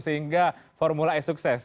sehingga formula e sukses